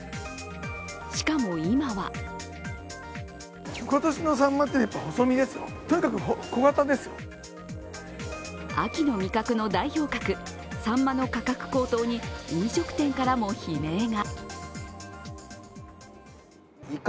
しかも、今は秋の味覚の代表格さんまの価格高騰に飲食店からも悲鳴が。